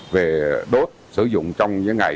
về đốt sử dụng trong những ngày